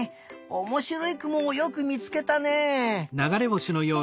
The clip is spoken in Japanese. おもしろいくもをよくみつけたね。